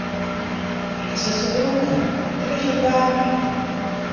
Middeis as er werom kaam, krige er waarmiten.